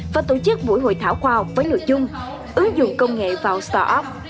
và tổ chức buổi hội thảo khoa học với người chung ứng dụng công nghệ vào start up